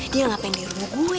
dia ga pengen diru gue